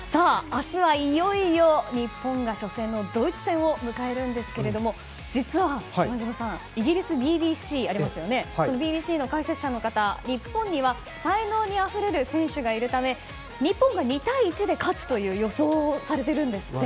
明日は、いよいよ日本が初戦のドイツ戦を迎えるんですが実は前園さん、イギリスＢＢＣＢＢＣの解説者の方、日本には才能にあふれる選手がいるため日本が２対１で勝つと予想されているんですって。